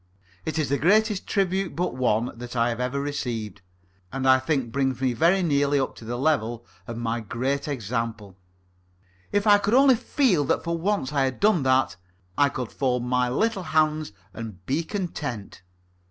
It is the greatest tribute but one that I have ever received, and I think brings me very nearly up to the level of my Great Example. If I could only feel that for once I had done that, I could fold my little hands and be content.